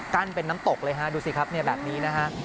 เป็นน้ำตกเลยฮะดูสิครับแบบนี้นะฮะ